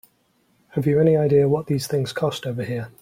Have you any idea what these things cost over here?